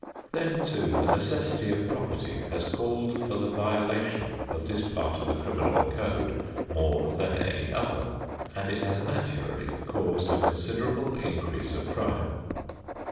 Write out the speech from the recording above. Then too, the necessity of property has called for the violation of this part of the criminal code more than any other, and it has naturally caused a considerable increase of crime.